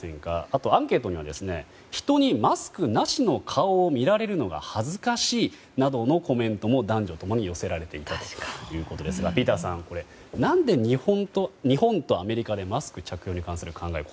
あと、アンケートには人にマスクなしの顔を見られるのが恥ずかしいなどのコメントも男女共に寄せられていたということですがピーターさん何で日本とアメリカでマスク着用に関する考えが